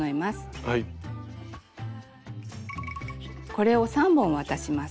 これを３本渡します。